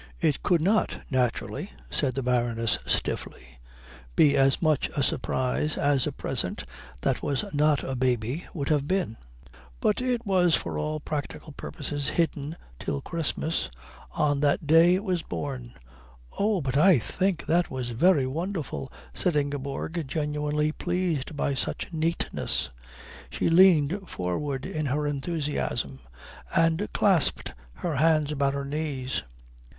"It could not, naturally," said the Baroness stiffly, "be as much a surprise as a present that was not a baby would have been, but it was for all practical purposes hidden till Christmas. On that day it was born." "Oh, but I think that was very wonderful," said Ingeborg, genuinely pleased by such neatness. She leaned forward in her enthusiasm and clasped her hands about her knees.